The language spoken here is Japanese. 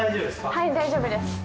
はい大丈夫です。